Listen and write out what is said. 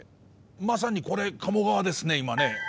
まさにこれ鴨川ですね今ね。